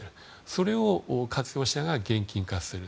それを活用しながら現金化する。